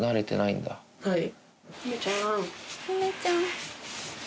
はい。